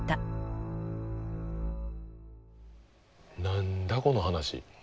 何だこの話。